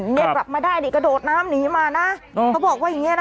เรียกกลับมาได้นี่กระโดดน้ำหนีมานะเขาบอกว่าอย่างเงี้นะ